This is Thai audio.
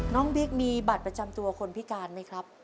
บิ๊กมีบัตรประจำตัวคนพิการไหมครับ